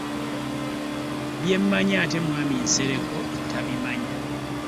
Bye mmanyi ate mwami Nsereko tabimanyi.